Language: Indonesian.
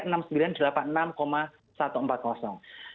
dan diproyeksikan hari ini ihsg akan menguji area psikologis di area tujuh ribu